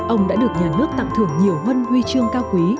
ông đã được nhà nước tặng thưởng nhiều huân huy chương cao quý